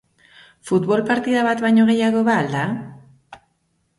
Futbol partida bat baino gehiago ba al da?